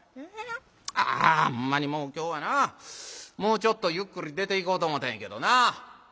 あほんまにもう今日はなもうちょっとゆっくり出ていこうと思たんやけどなぁ。